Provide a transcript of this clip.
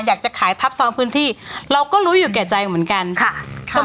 อยากจะขายทับซองพื้นที่เราก็รู้อยู่แก่ใจเหมือนกันค่ะ